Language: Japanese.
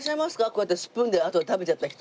こうやってスプーンであと食べちゃった人。